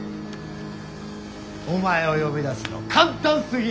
お前を呼び出すの簡単すぎ。